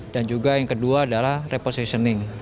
dan juga yang kedua adalah repositioning